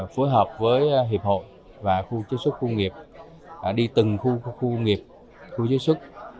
phối hợp với hiệp hội và khu chế sức công nghiệp đi từng khu công nghiệp khu chế sức